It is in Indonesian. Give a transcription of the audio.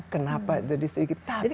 kenapa jadi sedikit tapi